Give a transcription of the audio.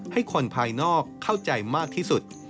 ให้คนภายนอกเข้าใจมากที่สุด